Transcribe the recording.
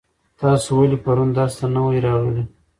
تاسو ولې پرون درس ته نه وای راغلي؟